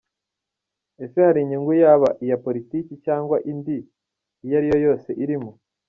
Ese hari inyungu yaba iya politiki cyangwa indi iyo ari yo yose irimo?